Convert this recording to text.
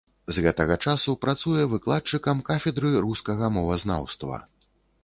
З гэтага часу працуе выкладчыкам кафедры рускага мовазнаўства.